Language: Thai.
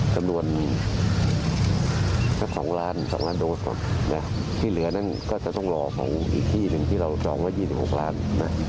จำนวนสัก๒ล้าน๒ล้านโดสที่เหลือนั้นก็จะต้องรอของอีกที่หนึ่งที่เราจองไว้๒๖ล้านนะ